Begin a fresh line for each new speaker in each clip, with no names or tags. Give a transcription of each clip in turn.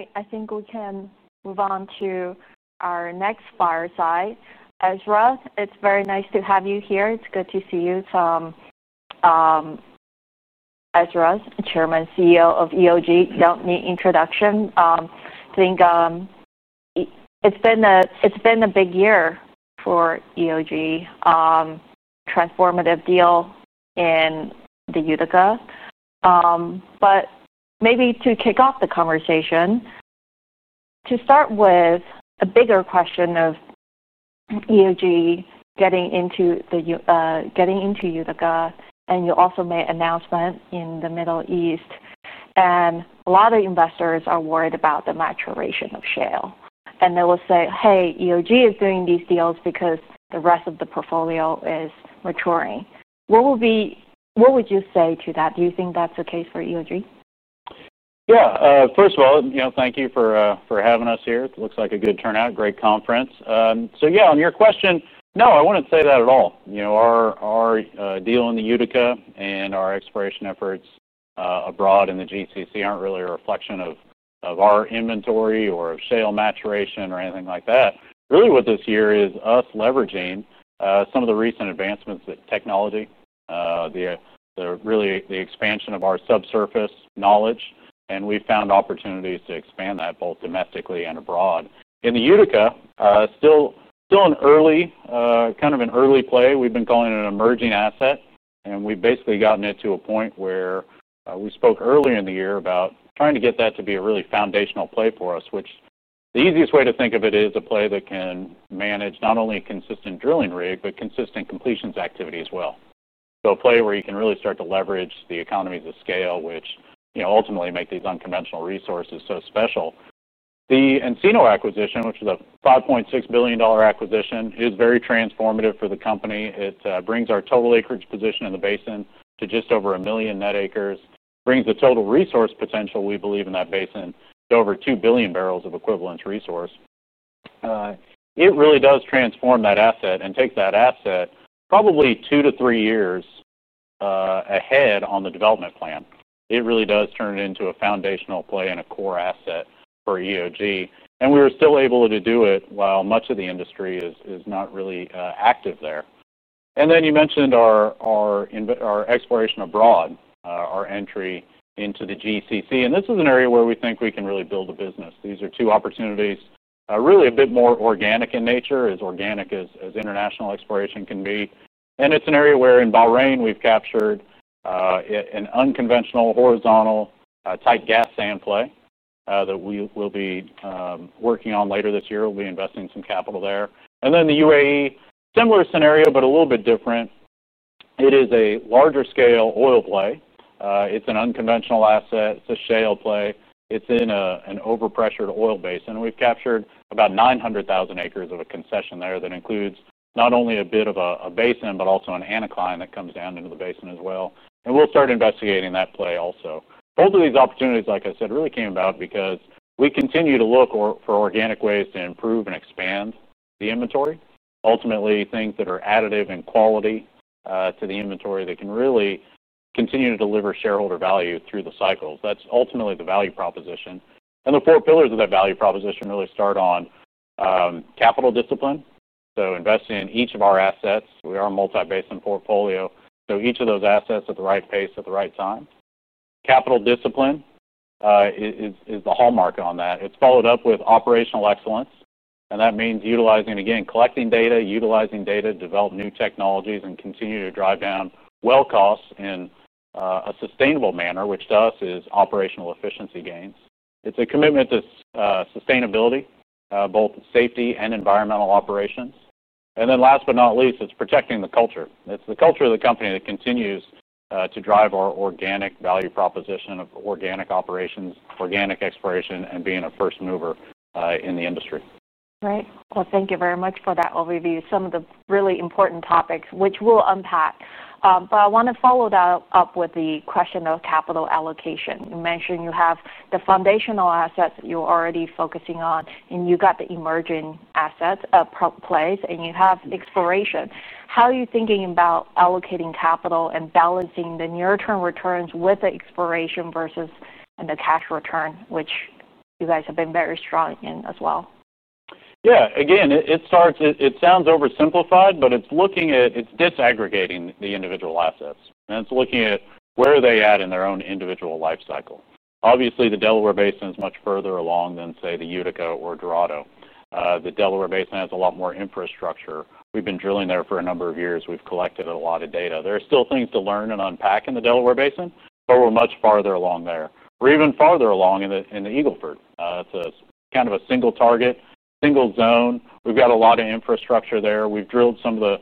All right. I think we can move on to our next fireside. Ezra, it's very nice to have you here. It's good to see you. Ezra, Chairman, CEO of EOG Resources, don't need introduction. I think it's been a big year for EOG Resources, transformative deal in the Utica. Maybe to kick off the conversation, to start with a bigger question of EOG Resources getting into the Utica, and you also made an announcement in the Middle East. A lot of investors are worried about the maturation of shale, and they will say, "Hey, EOG Resources is doing these deals because the rest of the portfolio is maturing." What would you say to that? Do you think that's the case for EOG Resources?
Yeah. First of all, thank you for having us here. It looks like a good turnout, great conference. On your question, no, I wouldn't say that at all. Our deal in the Utica and our exploration efforts abroad in the GCC aren't really a reflection of our inventory or of shale maturation or anything like that. Really, what this year is us leveraging some of the recent advancements in technology, really the expansion of our subsurface knowledge, and we found opportunities to expand that both domestically and abroad. In the Utica, still an early, kind of an early play. We've been calling it an emerging asset. We've basically gotten it to a point where we spoke earlier in the year about trying to get that to be a really foundational play for us, which the easiest way to think of it is a play that can manage not only a consistent drilling rig, but consistent completions activity as well. A play where you can really start to leverage the economies of scale, which ultimately make these unconventional resources so special. The Encino acquisition, which was a $5.6 billion acquisition, is very transformative for the company. It brings our total acreage position in the basin to just over a million net acres, brings the total resource potential we believe in that basin to over 2 billion barrels of equivalent resource. It really does transform that asset and take that asset probably two to three years ahead on the development plan. It really does turn it into a foundational play and a core asset for EOG Resources. We were still able to do it while much of the industry is not really active there. You mentioned our exploration abroad, our entry into the GCC. This is an area where we think we can really build a business. These are two opportunities, really a bit more organic in nature, as organic as international exploration can be. It's an area where in Bahrain, we've captured an unconventional horizontal type gas sand play that we will be working on later this year. We'll be investing some capital there. The UAE, similar scenario, but a little bit different. It is a larger-scale oil play. It's an unconventional asset. It's a shale play. It's in an overpressured oil basin. We've captured about 900,000 acres of a concession there that includes not only a bit of a basin, but also an anticline that comes down into the basin as well. We'll start investigating that play also. Both of these opportunities, like I said, really came about because we continue to look for organic ways to improve and expand the inventory. Ultimately, things that are additive in quality to the inventory can really continue to deliver shareholder value through the cycles. That's ultimately the value proposition. The four pillars of that value proposition really start on capital discipline. Investing in each of our assets, we are a multi-basin portfolio. Each of those assets at the right pace, at the right time. Capital discipline is the hallmark on that. It's followed up with operational excellence. That means collecting data, utilizing data to develop new technologies, and continue to drive down well costs in a sustainable manner, which to us is operational efficiency gains. It's a commitment to sustainability, both safety and environmental operations. Last but not least, it's protecting the culture. It's the culture of the company that continues to drive our organic value proposition of organic operations, organic exploration, and being a first mover in the industry.
Thank you very much for that overview. Some of the really important topics, which we'll unpack. I want to follow that up with the question of capital allocation. You mentioned you have the foundational assets you're already focusing on, and you've got the emerging assets, plays, and you have exploration. How are you thinking about allocating capital and balancing the near-term returns with the exploration versus the cash return, which you guys have been very strong in as well?
Yeah. Again, it starts, it sounds oversimplified, but it's looking at, it's disaggregating the individual assets. It's looking at where are they at in their own individual life cycle. Obviously, the Delaware Basin is much further along than, say, the Utica or Dorado. The Delaware Basin has a lot more infrastructure. We've been drilling there for a number of years. We've collected a lot of data. There are still things to learn and unpack in the Delaware Basin, but we're much farther along there. We're even farther along in the Eagle Ford. It's a kind of a single target, single zone. We've got a lot of infrastructure there. We've drilled some of the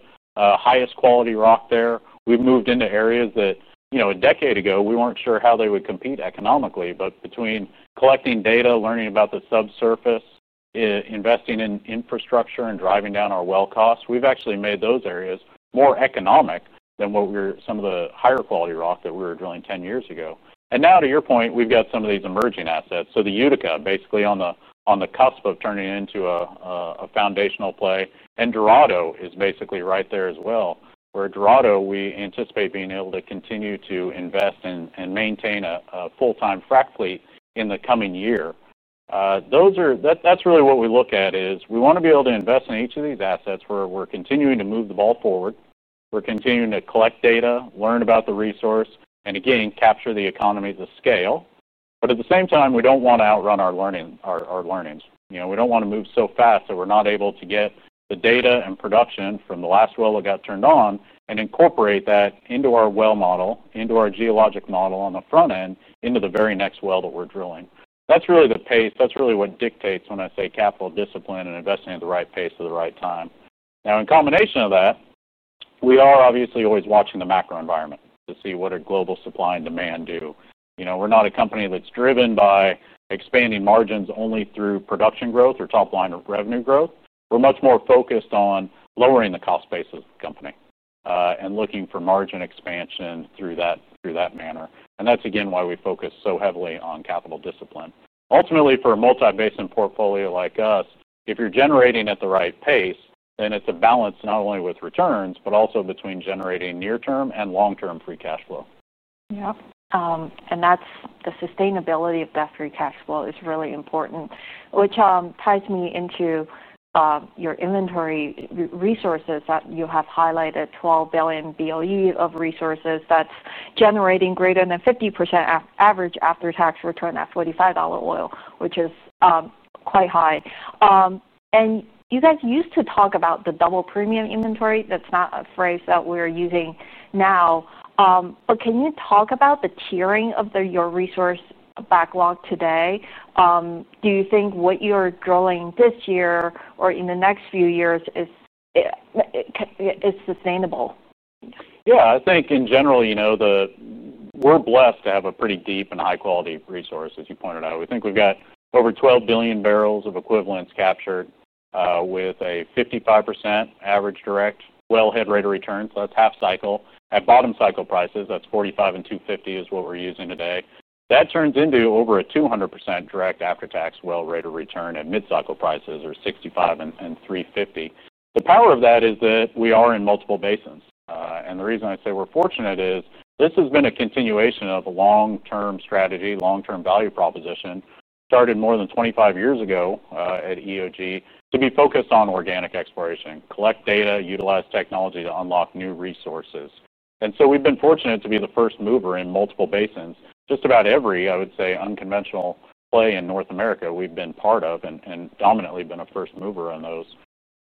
highest quality rock there. We've moved into areas that, you know, a decade ago, we weren't sure how they would compete economically, but between collecting data, learning about the subsurface, investing in infrastructure, and driving down our well costs, we've actually made those areas more economic than what were some of the higher quality rock that we were drilling 10 years ago. Now, to your point, we've got some of these emerging assets. The Utica, basically on the cusp of turning it into a foundational play, and Dorado is basically right there as well, where Dorado we anticipate being able to continue to invest in and maintain a full-time frack fleet in the coming year. That's really what we look at is we want to be able to invest in each of these assets where we're continuing to move the ball forward. We're continuing to collect data, learn about the resource, and again, capture the economies of scale. At the same time, we don't want to outrun our learnings. We don't want to move so fast that we're not able to get the data and production from the last well that got turned on and incorporate that into our well model, into our geologic model on the front end, into the very next well that we're drilling. That's really the pace. That's really what dictates when I say capital discipline and investing at the right pace at the right time. In combination with that, we are obviously always watching the macro environment to see what global supply and demand do. We're not a company that's driven by expanding margins only through production growth or top-line revenue growth. We're much more focused on lowering the cost base of the company, and looking for margin expansion through that manner. That's, again, why we focus so heavily on capital discipline. Ultimately, for a multi-basin portfolio like us, if you're generating at the right pace, then it's a balance not only with returns, but also between generating near-term and long-term free cash flow.
Yeah. That's the sustainability of that free cash flow, which ties me into your inventory resources that you have highlighted, 12 billion BOE of resources that's generating greater than 50% average after-tax return at $45 oil, which is quite high. You guys used to talk about the double premium inventory. That's not a phrase that we're using now, but can you talk about the tiering of your resource backlog today? Do you think what you're drilling this year or in the next few years is sustainable?
Yeah. I think in general, we're blessed to have a pretty deep and high-quality resource, as you pointed out. We think we've got over 12 billion barrels of oil equivalent captured, with a 55% average direct wellhead rate of return. That's half cycle. At bottom cycle prices, that's $45 and $2.50 is what we're using today. That turns into over a 200% direct after-tax well rate of return at mid-cycle prices, or $65 and $3.50. The power of that is that we are in multiple basins. The reason I say we're fortunate is this has been a continuation of a long-term strategy, long-term value proposition started more than 25 years ago at EOG Resources to be focused on organic exploration, collect data, utilize technology to unlock new resources. We've been fortunate to be the first mover in multiple basins. Just about every, I would say, unconventional play in North America we've been part of and dominantly been a first mover in those.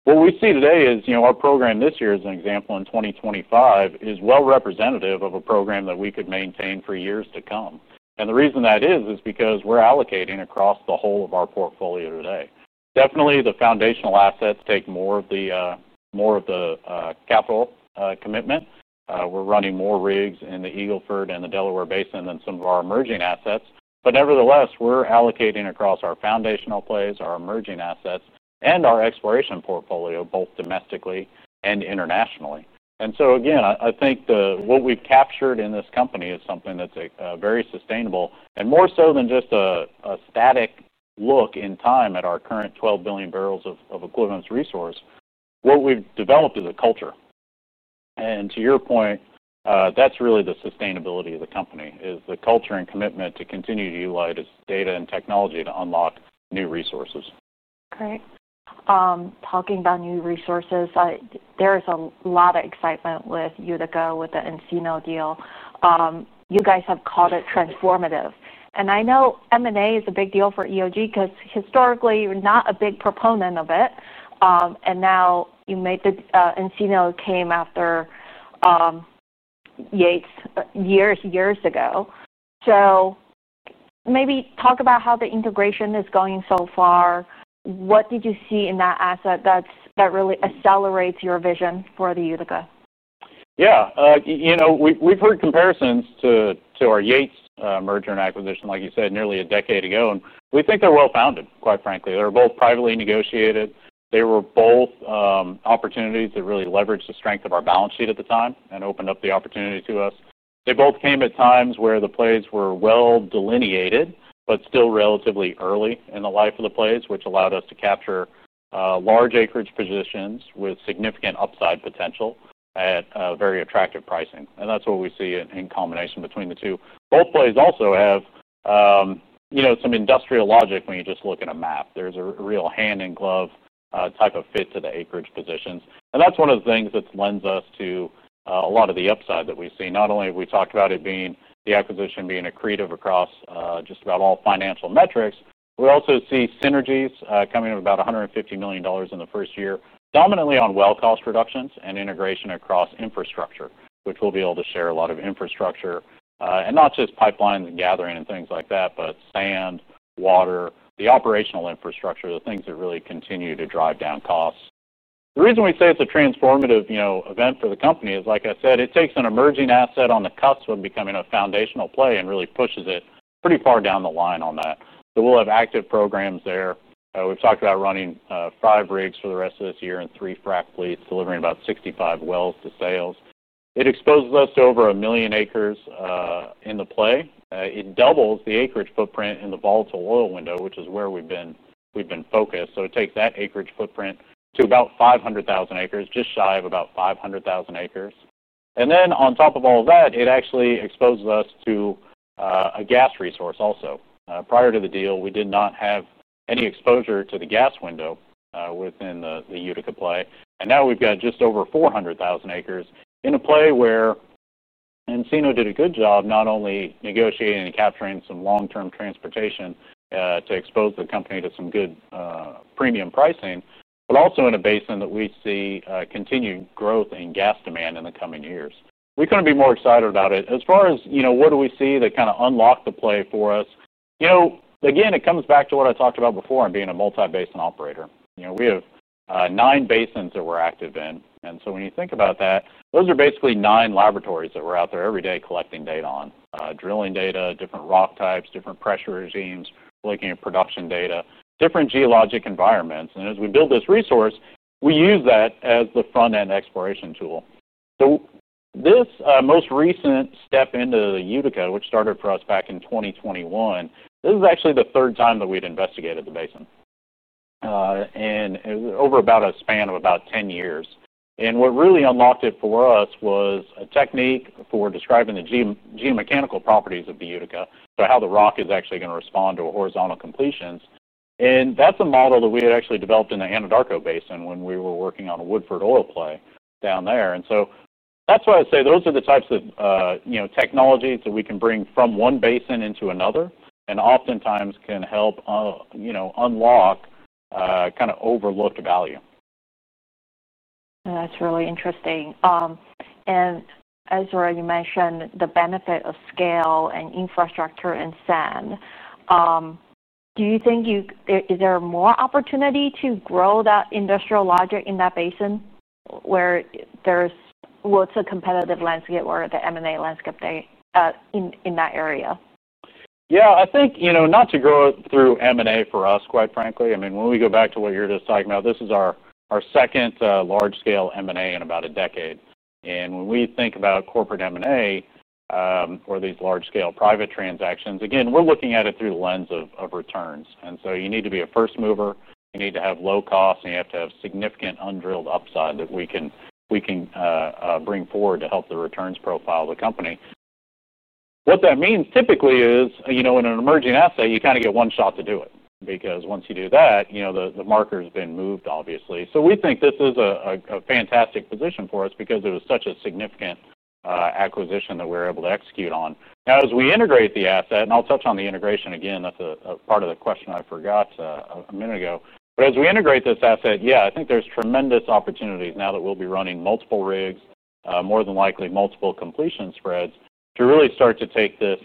What we see today is, our program this year is an example, and 2025 is well representative of a program that we could maintain for years to come. The reason that is is because we're allocating across the whole of our portfolio today. Definitely, the foundational assets take more of the capital commitment. We're running more rigs in the Eagle Ford and the Delaware Basin than some of our emerging assets. Nevertheless, we're allocating across our foundational plays, our emerging assets, and our exploration portfolio both domestically and internationally. I think what we've captured in this company is something that's very sustainable. More so than just a static look in time at our current 12 billion barrels of oil equivalent resource, what we've developed is a culture. To your point, that's really the sustainability of the company, is the culture and commitment to continue to utilize data and technology to unlock new resources.
Great. Talking about new resources, there is a lot of excitement with Utica with the Encino deal. You guys have called it transformative. I know M&A is a big deal for EOG because historically, you're not a big proponent of it. Now you made the Encino deal after Yates years ago. Maybe talk about how the integration is going so far. What did you see in that asset that really accelerates your vision for the Utica?
Yeah. You know, we've heard comparisons to our Yates merger and acquisition, like you said, nearly a decade ago. We think they're well founded, quite frankly. They're both privately negotiated. They were both opportunities to really leverage the strength of our balance sheet at the time and opened up the opportunity to us. They both came at times where the plays were well delineated, but still relatively early in the life of the plays, which allowed us to capture large acreage positions with significant upside potential at very attractive pricing. That's what we see in combination between the two. Both plays also have some industrial logic when you just look at a map. There's a real hand-in-glove type of fit to the acreage positions. That's one of the things that lends us to a lot of the upside that we see. Not only have we talked about it being the acquisition being accretive across just about all financial metrics, we also see synergies coming at about $150 million in the first year, dominantly on well cost reductions and integration across infrastructure, which we'll be able to share a lot of infrastructure, and not just pipelines and gathering and things like that, but sand, water, the operational infrastructure, the things that really continue to drive down costs. The reason we say it's a transformative event for the company is, like I said, it takes an emerging asset on the cusp of becoming a foundational play and really pushes it pretty far down the line on that. We'll have active programs there. We've talked about running five rigs for the rest of this year and three frack fleets delivering about 65 wells to sales. It exposes us to over a million acres in the play. It doubles the acreage footprint in the volatile oil window, which is where we've been focused. It takes that acreage footprint to about 500,000 acres, just shy of about 500,000 acres. On top of all of that, it actually exposes us to a gas resource also. Prior to the deal, we did not have any exposure to the gas window within the Utica play. Now we've got just over 400,000 acres in a play where Encino did a good job not only negotiating and capturing some long-term transportation to expose the company to some good, premium pricing, but also in a basin that we see continued growth in gas demand in the coming years. We couldn't be more excited about it. As far as what do we see that kind of unlocked the play for us? It comes back to what I talked about before and being a multi-basin operator. We have nine basins that we're active in. When you think about that, those are basically nine laboratories that we're out there every day collecting data on, drilling data, different rock types, different pressure regimes, looking at production data, different geologic environments. As we build this resource, we use that as the front-end exploration tool. This most recent step into the Utica, which started for us back in 2021, is actually the third time that we'd investigated the basin. It was over a span of about 10 years. What really unlocked it for us was a technique for describing the geomechanical properties of the Utica, so how the rock is actually going to respond to horizontal completions. That's a model that we had actually developed in the Anadarko Basin when we were working on a Woodford oil play down there. Those are the types of technologies that we can bring from one basin into another and oftentimes can help unlock kind of overlooked value.
That's really interesting. As you mentioned, the benefit of scale and infrastructure and sand, do you think there is more opportunity to grow that industrial logic in that basin where there's lots of competitive landscape or the M&A landscape in that area?
Yeah. I think, you know, not to grow it through M&A for us, quite frankly. I mean, when we go back to what you were just talking about, this is our second large-scale M&A in about a decade. When we think about corporate M&A, or these large-scale private transactions, again, we're looking at it through the lens of returns. You need to be a first mover, you need to have low cost, and you have to have significant undrilled upside that we can bring forward to help the returns profile of the company. What that means typically is, you know, in an emerging asset, you kind of get one shot to do it because once you do that, the marker has been moved, obviously. We think this is a fantastic position for us because it was such a significant acquisition that we were able to execute on. Now, as we integrate the asset, and I'll touch on the integration again, that's a part of the question I forgot a minute ago. As we integrate this asset, yeah, I think there's tremendous opportunities now that we'll be running multiple rigs, more than likely multiple completion spreads, to really start to take this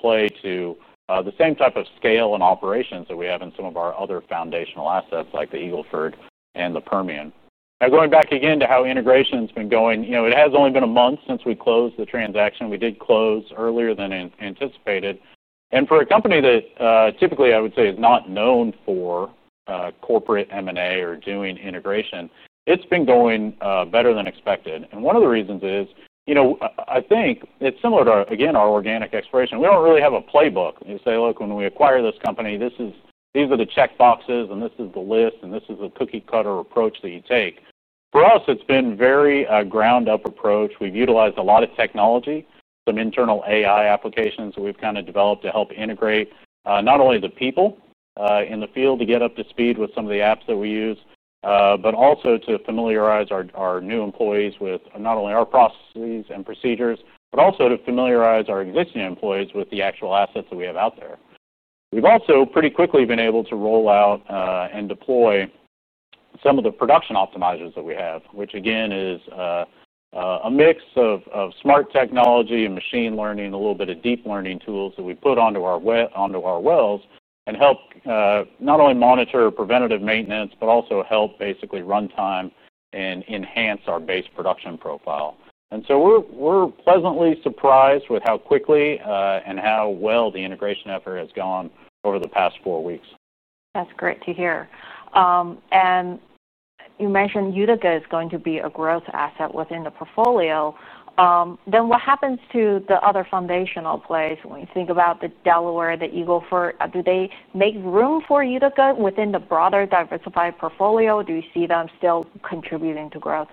play to the same type of scale and operations that we have in some of our other foundational assets like the Eagle Ford and the Permian. Now, going back again to how integration has been going, it has only been a month since we closed the transaction. We did close earlier than anticipated. For a company that, typically I would say is not known for corporate M&A or doing integration, it's been going better than expected. One of the reasons is, you know, I think it's similar to, again, our organic exploration. We don't really have a playbook. You say, "Look, when we acquire this company, these are the checkboxes and this is the list and this is a cookie-cutter approach that you take." For us, it's been a very ground-up approach. We've utilized a lot of technology, some internal AI applications that we've kind of developed to help integrate not only the people in the field to get up to speed with some of the apps that we use, but also to familiarize our new employees with not only our processes and procedures, but also to familiarize our existing employees with the actual assets that we have out there. We've also pretty quickly been able to roll out and deploy some of the production optimizers that we have, which again is a mix of smart technology and machine learning, a little bit of deep learning tools that we put onto our wells and help not only monitor preventative maintenance, but also help basically run time and enhance our base production profile. We're pleasantly surprised with how quickly and how well the integration effort has gone over the past four weeks.
That's great to hear. You mentioned Utica is going to be a growth asset within the portfolio. What happens to the other foundational plays when you think about the Delaware, the Eagle Ford? Do they make room for Utica within the broader diversified portfolio? Do you see them still contributing to growth?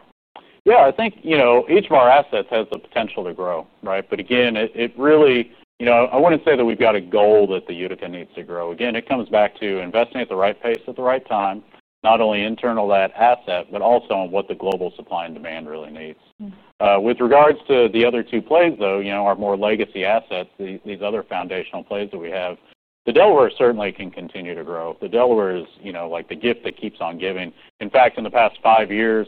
Yeah. I think, you know, each of our assets has the potential to grow, right? Again, it really, you know, I wouldn't say that we've got a goal that the Utica needs to grow. It comes back to investing at the right pace at the right time, not only internal to that asset, but also on what the global supply and demand really needs. With regards to the other two plays, though, our more legacy assets, these other foundational plays that we have, the Delaware certainly can continue to grow. The Delaware is the gift that keeps on giving. In fact, in the past five years,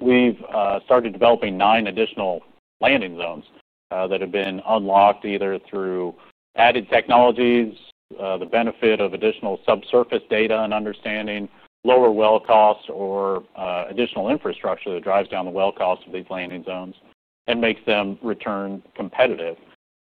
we've started developing nine additional landing zones that have been unlocked either through added technologies, the benefit of additional subsurface data and understanding, lower well costs, or additional infrastructure that drives down the well cost of these landing zones and makes them return competitive.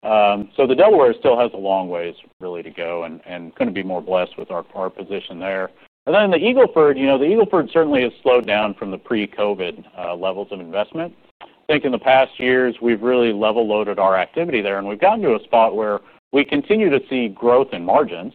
The Delaware still has a long way really to go and going to be more blessed with our position there. The Eagle Ford, you know, the Eagle Ford certainly has slowed down from the pre-COVID levels of investment. I think in the past years, we've really level-loaded our activity there, and we've gotten to a spot where we continue to see growth in margins.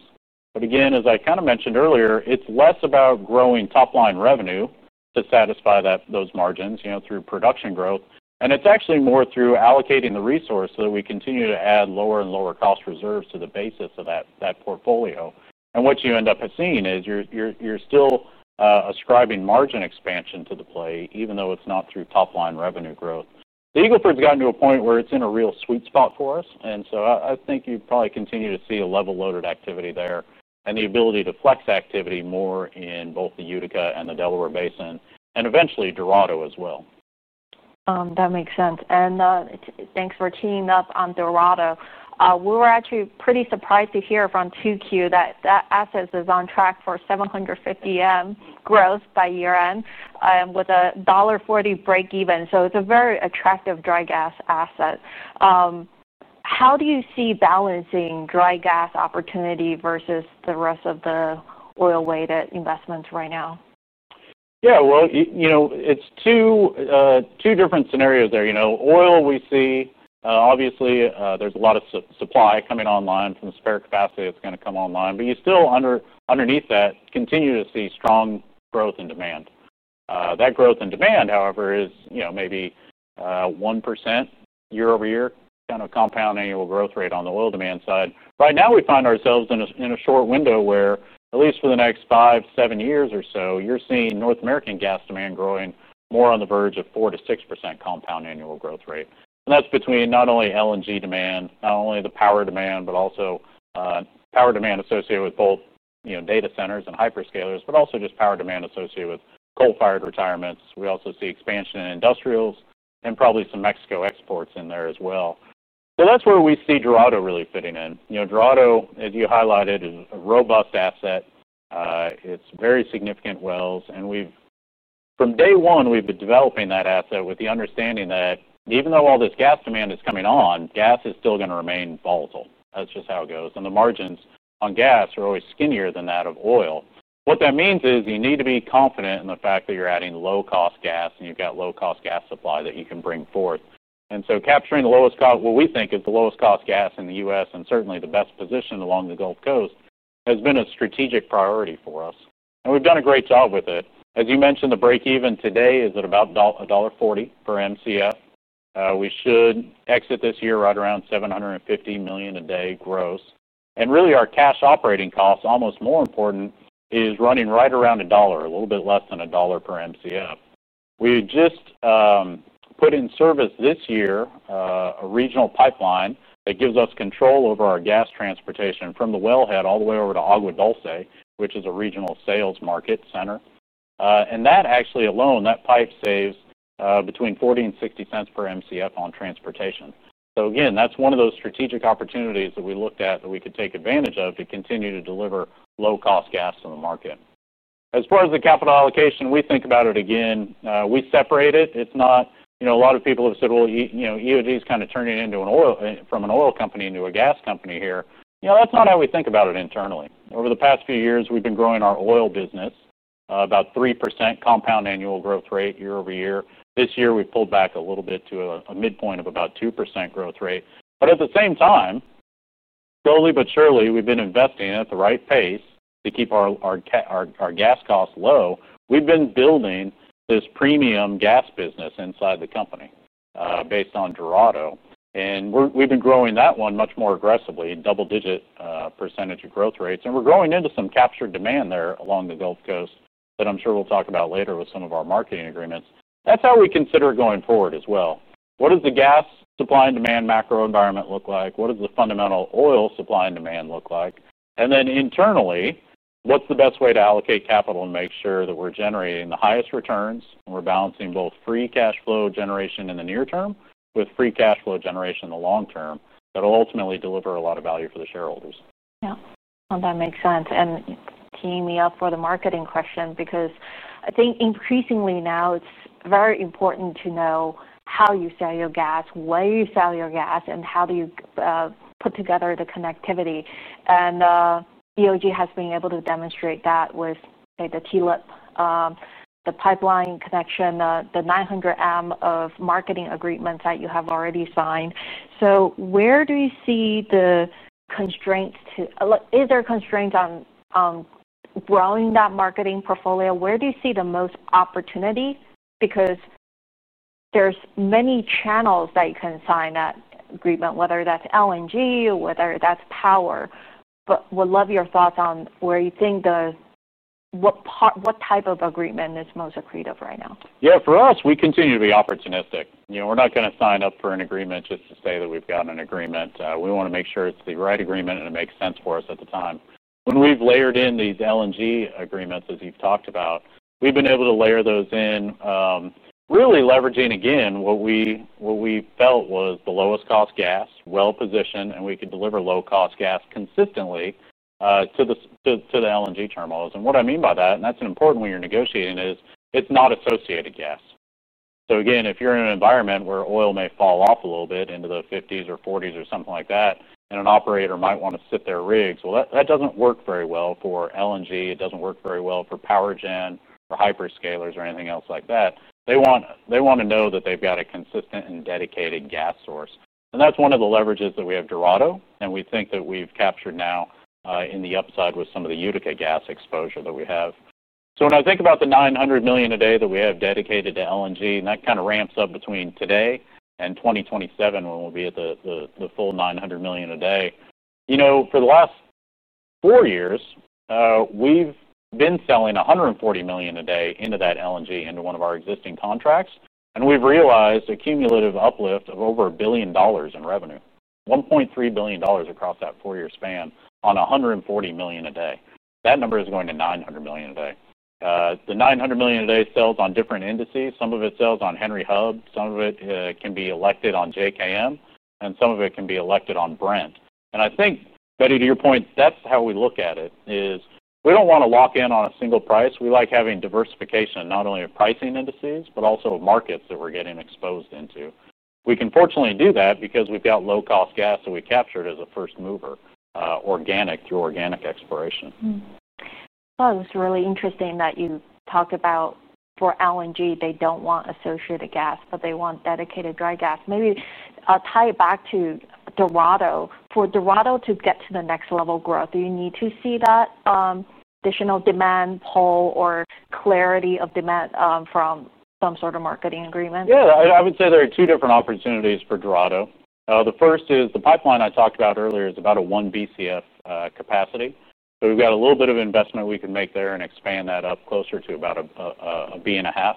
As I kind of mentioned earlier, it's less about growing top-line revenue to satisfy those margins through production growth. It's actually more through allocating the resource so that we continue to add lower and lower cost reserves to the basis of that portfolio. What you end up seeing is you're still ascribing margin expansion to the play, even though it's not through top-line revenue growth. The Eagle Ford's gotten to a point where it's in a real sweet spot for us. I think you'd probably continue to see a level-loaded activity there and the ability to flex activity more in both the Utica and the Delaware Basin and eventually Dorado as well.
That makes sense. Thanks for teeing up on Dorado. We were actually pretty surprised to hear from 2Q that that asset is on track for $750 million growth by year-end with a $1.40 break-even. It is a very attractive dry gas asset. How do you see balancing dry gas opportunity versus the rest of the oil-weighted investments right now?
Yeah. You know, it's two different scenarios there. You know, oil, we see, obviously, there's a lot of supply coming online from spare capacity that's going to come online. You still underneath that continue to see strong growth in demand. That growth in demand, however, is, you know, maybe 1% year-over-year kind of compound annual growth rate on the oil demand side. Right now, we find ourselves in a short window where, at least for the next five, seven years or so, you're seeing North American gas demand growing more on the verge of 4% - 6% compound annual growth rate. That's between not only LNG demand, not only the power demand, but also power demand associated with both, you know, data centers and hyperscalers, but also just power demand associated with coal-fired retirements. We also see expansion in industrials and probably some Mexico exports in there as well. That's where we see Dorado really fitting in. You know, Dorado, as you highlighted, is a robust asset. It's very significant wells. From day one, we've been developing that asset with the understanding that even though all this gas demand is coming on, gas is still going to remain volatile. That's just how it goes. The margins on gas are always skinnier than that of oil. What that means is you need to be confident in the fact that you're adding low-cost gas and you've got low-cost gas supply that you can bring forth. Capturing the lowest cost, what we think is the lowest cost gas in the U.S. and certainly the best position along the Gulf Coast has been a strategic priority for us. We've done a great job with it. As you mentioned, the break-even today is at about $1.40 per MCF. We should exit this year right around $750 million a day gross. Really, our cash operating cost, almost more important, is running right around $1, a little bit less than $1 per MCF. We just put in service this year a regional pipeline that gives us control over our gas transportation from the wellhead all the way over to Agua Dulce, which is a regional sales market center. That actually alone, that pipe saves between $0.40 and $0.60 per MCF on transportation. Again, that's one of those strategic opportunities that we looked at that we could take advantage of to continue to deliver low-cost gas to the market. As far as the capital allocation, we think about it again. We separate it. A lot of people have said, you know, EOG is kind of turning from an oil company into a gas company here. That's not how we think about it internally. Over the past few years, we've been growing our oil business, about 3% compound annual growth rate year over year. This year, we pulled back a little bit to a midpoint of about 2% growth rate. At the same time, we've been investing at the right pace to keep our gas costs low. We've been building this premium gas business inside the company, based on Dorado. We've been growing that one much more aggressively, double-digit percentage growth rates. We're growing into some captured demand there along the Gulf Coast that I'm sure we'll talk about later with some of our marketing agreements. That's how we consider it going forward as well. What does the gas supply and demand macro environment look like? What does the fundamental oil supply and demand look like? Internally, what's the best way to allocate capital and make sure that we're generating the highest returns and we're balancing both free cash flow generation in the near term with free cash flow generation in the long term that will ultimately deliver a lot of value for the shareholders?
Yeah, that makes sense. Tee-ing me up for the marketing question because I think increasingly now it's very important to know how you sell your gas, where you sell your gas, and how you put together the connectivity. EOG Resources has been able to demonstrate that with, say, the TLIP, the pipeline connection, the $900 million of marketing agreements that you have already signed. Where do you see the constraints to, is there constraints on growing that marketing portfolio? Where do you see the most opportunity? There's many channels that you can sign that agreement, whether that's LNG, whether that's power. Would love your thoughts on where you think the, what part, what type of agreement is most accretive right now?
Yeah. For us, we continue to be opportunistic. We're not going to sign up for an agreement just to say that we've got an agreement. We want to make sure it's the right agreement and it makes sense for us at the time. When we've layered in these LNG agreements, as you've talked about, we've been able to layer those in, really leveraging, again, what we felt was the lowest cost gas, well positioned, and we could deliver low-cost gas consistently to the LNG terminals. What I mean by that, and that's an important one when you're negotiating, is it's not associated gas. If you're in an environment where oil may fall off a little bit into the $50s or $40s or something like that, and an operator might want to sit their rigs, that doesn't work very well for LNG. It doesn't work very well for power gen or hyperscalers or anything else like that. They want to know that they've got a consistent and dedicated gas source. That's one of the leverages that we have with Dorado, and we think that we've captured now in the upside with some of the Utica gas exposure that we have. When I think about the 900 million a day that we have dedicated to LNG, and that kind of ramps up between today and 2027 when we'll be at the full 900 million a day, for the last four years, we've been selling 140 million a day into that LNG, into one of our existing contracts. We've realized a cumulative uplift of over $1 billion in revenue, $1.3 billion across that four-year span on 140 million a day. That number is going to 900 million a day. The 900 million a day sells on different indices. Some of it sells on Henry Hub. Some of it can be elected on JKM. Some of it can be elected on Brent. I think, Betty, to your point, that's how we look at it. We don't want to lock in on a single price. We like having diversification not only in pricing indices, but also markets that we're getting exposed into. We can fortunately do that because we've got low-cost gas that we captured as a first mover, through organic exploration.
It was really interesting that you talk about for LNG, they don't want associated gas, but they want dedicated dry gas. Maybe I'll tie it back to Dorado. For Dorado to get to the next level growth, do you need to see that additional demand pull or clarity of demand from some sort of marketing agreement?
Yeah. I would say there are two different opportunities for Dorado. The first is the pipeline I talked about earlier is about a 1 BCF capacity. We've got a little bit of investment we can make there and expand that up closer to about a B and a half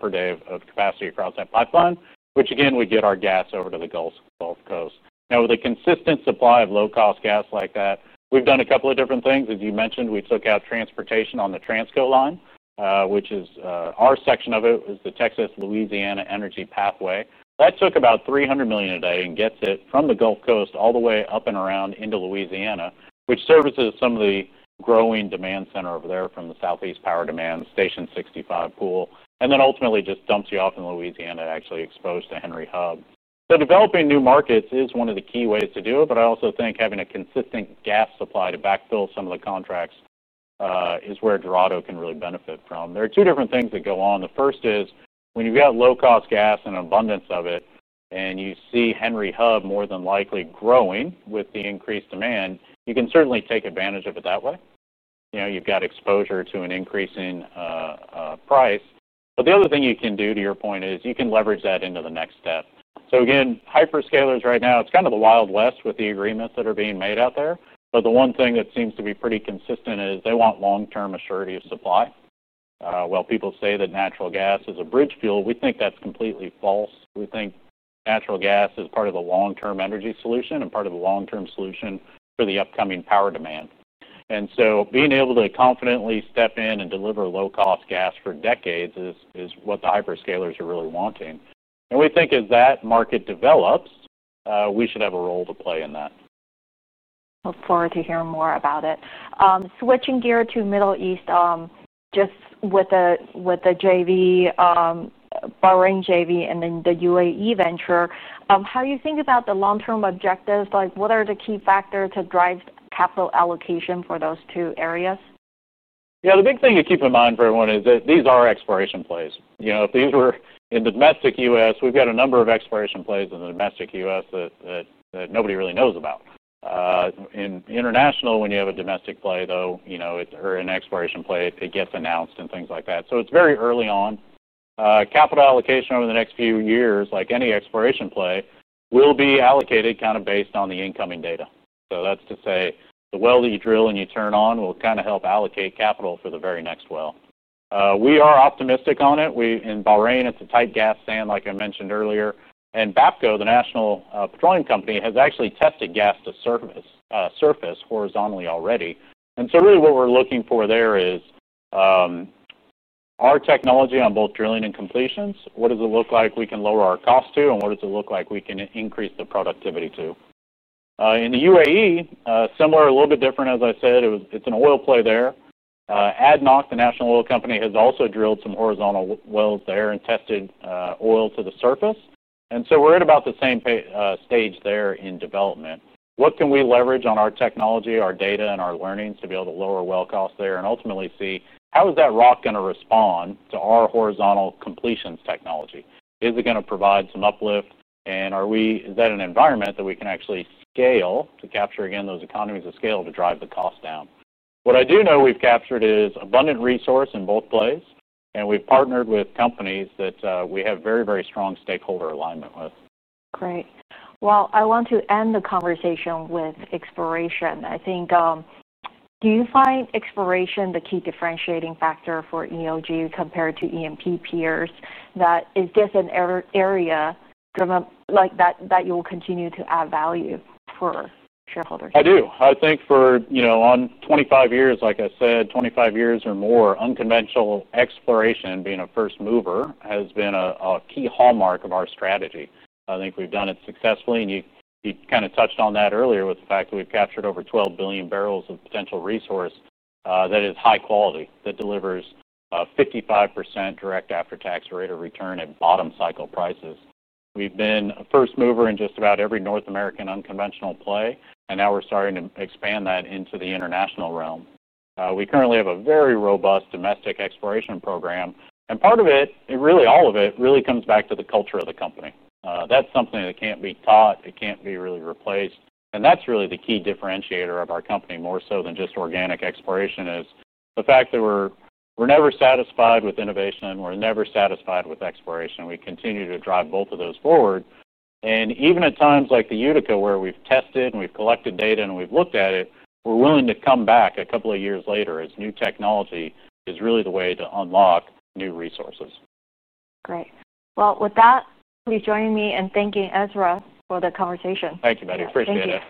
per day of capacity across that pipeline, which again, we get our gas over to the Gulf Coast. Now, with a consistent supply of low-cost gas like that, we've done a couple of different things. As you mentioned, we took out transportation on the Transco line, which is our section of it, is the Texas-Louisiana energy pathway. That took about 300 million a day and gets it from the Gulf Coast all the way up and around into Louisiana, which services some of the growing demand center over there from the Southeast Power Demand Station 65 pool, and then ultimately just dumps you off in Louisiana and actually exposed to Henry Hub. Developing new markets is one of the key ways to do it. I also think having a consistent gas supply to backfill some of the contracts is where Dorado can really benefit from. There are two different things that go on. The first is when you've got low-cost gas and an abundance of it, and you see Henry Hub more than likely growing with the increased demand, you can certainly take advantage of it that way. You've got exposure to an increasing price. The other thing you can do to your point is you can leverage that into the next step. Right now, hyperscalers, it's kind of the Wild West with the agreements that are being made out there. The one thing that seems to be pretty consistent is they want long-term assurity of supply. While people say that natural gas is a bridge fuel, we think that's completely false. We think natural gas is part of the long-term energy solution and part of the long-term solution for the upcoming power demand. Being able to confidently step in and deliver low-cost gas for decades is what the hyperscalers are really wanting. We think as that market develops, we should have a role to play in that.
Look forward to hearing more about it. Switching gear to Middle East, just with the JV, Bahrain JV, and then the UAE venture, how do you think about the long-term objectives? What are the key factors to drive capital allocation for those two areas?
Yeah. The big thing to keep in mind for everyone is that these are exploration plays. If these were in the domestic U.S., we've got a number of exploration plays in the domestic U.S. that nobody really knows about. In international, when you have a domestic play, though, or an exploration play, it gets announced and things like that. It's very early on. Capital allocation over the next few years, like any exploration play, will be allocated kind of based on the incoming data. That's to say the well that you drill and you turn on will kind of help allocate capital for the very next well. We are optimistic on it. In Bahrain, it's a tight gas sand, like I mentioned earlier. BAPCO, the national petroleum company, has actually tested gas to surface horizontally already. What we're looking for there is our technology on both drilling and completions, what does it look like we can lower our cost to, and what does it look like we can increase the productivity to? In the United Arab Emirates, similar, a little bit different, as I said, it's an oil play there. ADNOC, the national oil company, has also drilled some horizontal wells there and tested oil to the surface. We're at about the same stage there in development. What can we leverage on our technology, our data, and our learnings to be able to lower well costs there and ultimately see how is that rock going to respond to our horizontal completions technology? Is it going to provide some uplift? Is that an environment that we can actually scale to capture, again, those economies of scale to drive the cost down? What I do know we've captured is abundant resource in both plays, and we've partnered with companies that we have very, very strong stakeholder alignment with.
Great. I want to end the conversation with exploration. Do you find exploration the key differentiating factor for EOG Resources compared to E&P peers? Is that just an area like that that you will continue to add value for shareholders?
I do. I think for, you know, 25 years, like I said, 25 years or more, unconventional exploration being a first mover has been a key hallmark of our strategy. I think we've done it successfully. You kind of touched on that earlier with the fact that we've captured over 12 billion barrels of potential resource that is high quality, that delivers a 55% direct after-tax rate of return at bottom cycle prices. We've been a first mover in just about every North American unconventional play, and now we're starting to expand that into the international realm. We currently have a very robust domestic exploration program. Part of it, really, all of it really comes back to the culture of the company. That's something that can't be taught. It can't be really replaced. That's really the key differentiator of our company, more so than just organic exploration, is the fact that we're never satisfied with innovation and we're never satisfied with exploration. We continue to drive both of those forward. Even at times like the Utica, where we've tested and we've collected data and we've looked at it, we're willing to come back a couple of years later as new technology is really the way to unlock new resources.
Great. With that, please join me in thanking Ezra for the conversation.
Thank you, Betty. Appreciate it.